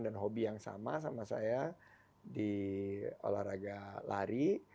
dan hobi yang sama sama saya di olahraga lari